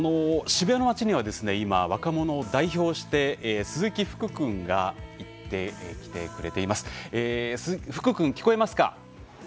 渋谷の街には今若者代表として鈴木福君が行ってきてくれています。